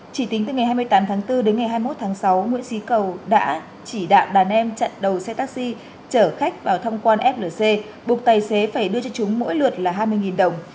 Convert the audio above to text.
chỉ tính từ ngày hai mươi tám tháng bốn đến ngày hai mươi một tháng sáu nguyễn xí cầu đã chỉ đạo đàn em chặn đầu xe taxi chở khách vào thăm quan flc buộc tài xế phải đưa cho chúng mỗi lượt là hai mươi đồng